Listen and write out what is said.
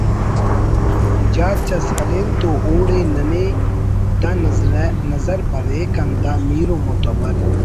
جاچ اس ہلین تو اوڑے ننے دا نظر بریک ہندا میر و متبر